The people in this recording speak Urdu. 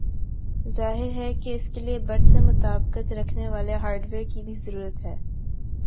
ظاہر ہے کہ اس کے لئے بٹ سے مطابقت رکھنے والے ہارڈویئر کی بھی ضرورت تھی